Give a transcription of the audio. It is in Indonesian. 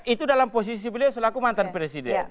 itu dalam posisi beliau selaku mantan presiden